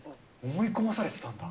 思い込まされてたんだ。